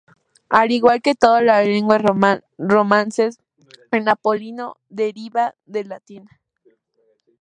Al igual que todas las lenguas romances, el napolitano deriva del latín.